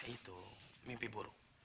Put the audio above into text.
itu mimpi buruk